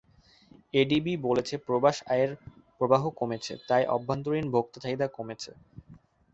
ADB বলছে, প্রবাস আয়ের প্রবাহ কমেছে, তাই অভ্যন্তরীণ ভোক্তা চাহিদা কমেছে।